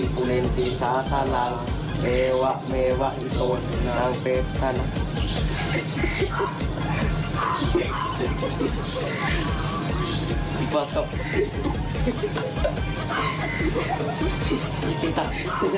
ทำยังไงบ้างพระท่าน